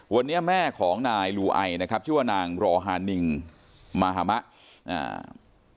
วันนี้แม่ของนายลูไอนะครับชื่อว่านางรอฮานิงมหามะอ่า